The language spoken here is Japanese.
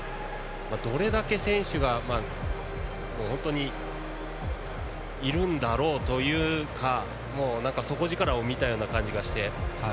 どれだけ選手がいるんだろうというか底力を見たような感じがして。